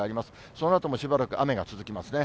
そのあともしばらく雨が続きますね。